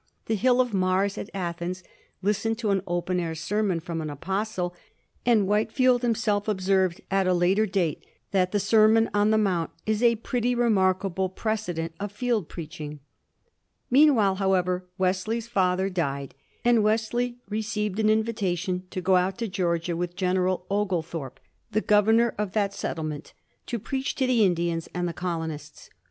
The Hill of Mars at Athens listened to an open air sermon from an apostle, and Whitefield him self observed at a later date that the ^' Sermon on the Mount is a pretty remarkable precedent of field preach * 99 Meanwhile, however, Wesley's father died, and Wesley received an invitation to go out to Georgia with General Oglethorpe, the governor of that settlement, to preach to the Indians and the colonists.